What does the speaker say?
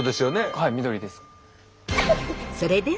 はい緑です。